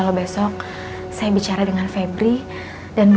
itu memafik selagi kg tertentu